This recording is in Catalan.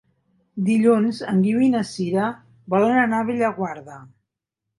Dilluns en Guiu i na Sira volen anar a Bellaguarda.